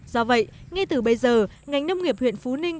do vậy ngay từ bây giờ ngành nông nghiệp huyện phú ninh